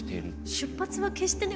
出発は決してね